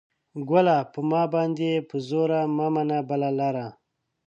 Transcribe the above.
ګله ! په ما باندې په زور مه منه بله لاره